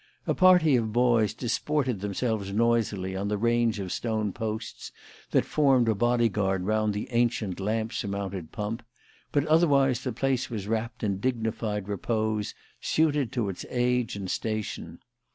A party of boys disported themselves noisily on the range of stone posts that form a bodyguard round the ancient lamp surmounted pump, but otherwise the place was wrapped in dignified repose suited to its age and station.